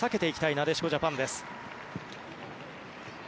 なでしこジャパンです。